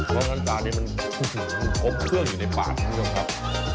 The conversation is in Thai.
ของตัวตาดีมันปรบเครื่องอยู่ในปากไม่นานครับ